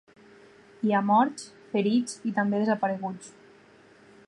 Hi ha morts, ferits i també desapareguts.